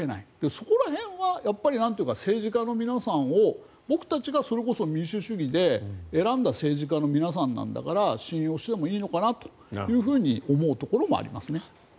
そこら辺は政治家の皆さんを僕たちが民主主義で選んだ政治家の皆さんなんだから信用してもいいのかなと思うところもありますね。